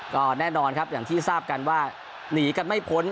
ก็แน่นอนครับอย่างที่ทราบกันว่าหนีกันไม่พ้น